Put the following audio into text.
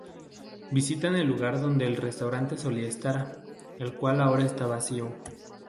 Visitan el lugar donde el restaurante solía estar, el cual ahora está vacío.